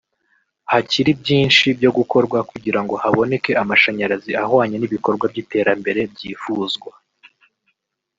hakiri byinshi byo gukorwa kugira ngo haboneke amashanyarazi ahwanye n’ibikorwa by’iterambere byifuzwa